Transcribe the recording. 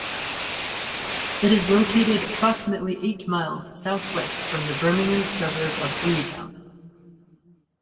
It is located approximately eight miles southwest from the Birmingham suburb of Hueytown.